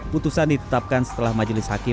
putusan ditetapkan setelah majelis hakim